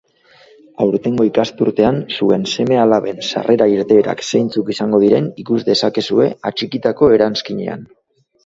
Aurtengo ikasturtean zuen seme-alaben sarrera-irteerak zeintzuk izango diren ikus dezakezue atxikitako eranskinean.